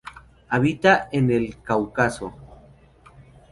Habita en el Cáucaso.